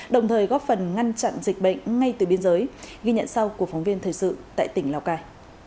đồng thời góp phần ngăn chặn dịch bệnh ngay từ biên giới ghi nhận sau của phóng viên thời sự tại tỉnh lào cai